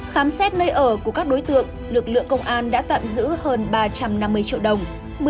khám xét nơi ở của các đối tượng lực lượng công an đã tạm giữ hơn ba trăm năm mươi triệu đồng